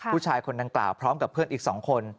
ผู้ชายคนดังกล่าวพร้อมกับเพื่อนอีก๒คน